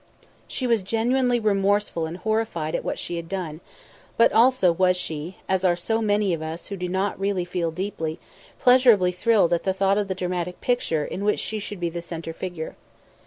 She was genuinely remorseful and horrified at what she had done, but also was she, as are so many of us who do not really feel deeply, pleasurably thrilled at the thought of the dramatic picture in which she should be the centre figure.